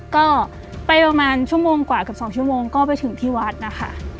ก็ไปประมาณชั่วโมงกว่ากับ๒ชั่วโมงก็ไปถึงที่วัดนะคะ